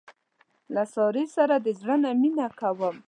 له سارې سره د زړه نه مینه کوم.